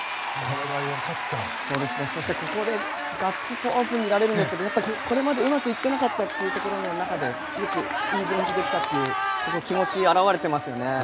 そしてガッツポーズが見られるんですがこれまでうまくいっていなかったという中でよくいい演技できたという気持ち表れていますよね。